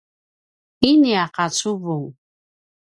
inia qacuvung